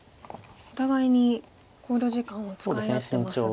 お互いに考慮時間を使い合ってますが。